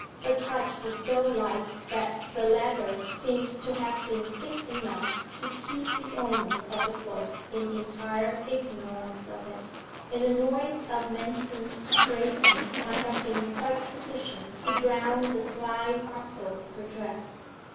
Her touch was so light that the leather seemed to have been thick enough to keep the owner of the foot in entire ignorance of it, and the noise of Manston's scraping might have been quite sufficient to drown the slight rustle of her dress.